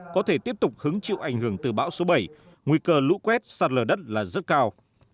có thể tiếp tục hứng chịu ảnh hưởng từ bão số bảy nguy cơ lũ quét sạt lở đất là rất cao